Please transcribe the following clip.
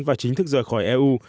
và chính thức rời khỏi eu